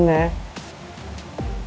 alias ngerawat aku